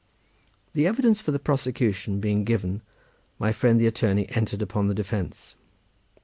The evidence for the prosecution being given, my friend the attorney entered upon the defence.